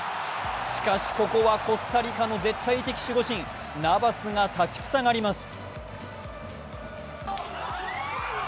しかし、ここはコスタリカの絶対的守護神・ナバスが立ち塞がります。